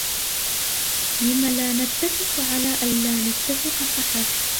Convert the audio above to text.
لمَ لا نتّفق على ألّا نتّفق فحسب؟